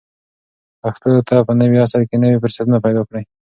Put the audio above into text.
پښتو ته په نوي عصر کې نوي فرصتونه پیدا کړئ.